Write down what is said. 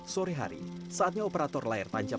sore hari saatnya operator layar tancap